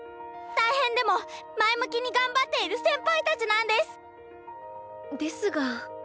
大変でも前向きに頑張っている先輩たちなんです！ですが。